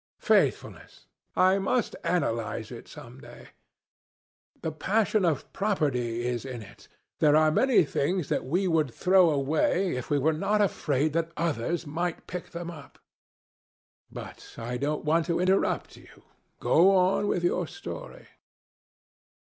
Faithfulness! I must analyse it some day. The passion for property is in it. There are many things that we would throw away if we were not afraid that others might pick them up. But I don't want to interrupt you. Go on with your story."